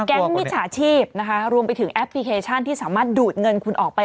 มิจฉาชีพนะคะรวมไปถึงแอปพลิเคชันที่สามารถดูดเงินคุณออกไป